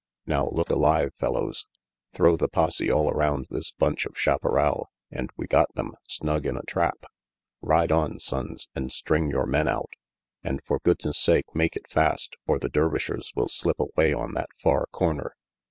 Now look alive, fellows. Throw the posse all around this bunch of chaparral, and we got them, snug in a trap. Ride on, Sonnes, and string your men out. And for goodness' sake make it fast, or the Dervishers will slip away on that far corner."